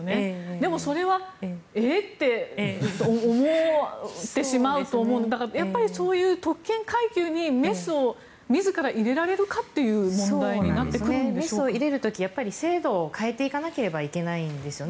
でもそれは、えっ？って思ってしまうと思うのでやっぱりそういう特権階級にメスを自ら入れられるかというメスを入れる時に制度を変えていかなきゃいけないんですよね。